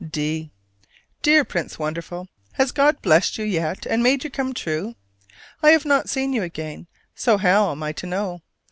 D. Dear Prince Wonderful: Has God blessed you yet and made you come true? I have not seen you again, so how am I to know?